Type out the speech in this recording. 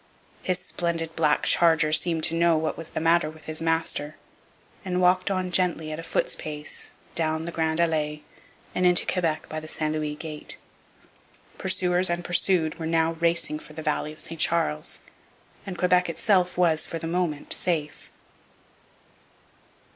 His splendid black charger seemed to know what was the matter with his master, and walked on gently at a foot's pace down the Grande Allee and into Quebec by the St Louis Gate. Pursuers and pursued were now racing for the valley of the St Charles, and Quebec itself was, for the moment, safe.